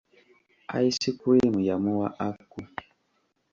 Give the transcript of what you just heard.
Ice cream yamuwa Aku.